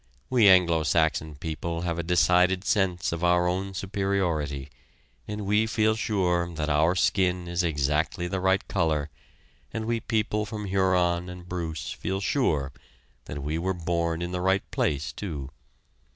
We Anglo Saxon people have a decided sense of our own superiority, and we feel sure that our skin is exactly the right color, and we people from Huron and Bruce feel sure that we were born in the right place, too.